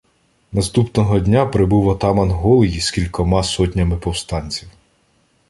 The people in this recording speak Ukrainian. Наступного дня прибув отаман Голий із кількома сотнями повстанців.